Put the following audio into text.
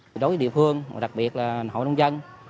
đối với địa phương đặc biệt là hội nông dân